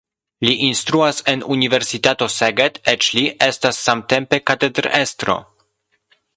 Li instruas en universitato Szeged, eĉ li estas samtempe katedrestro.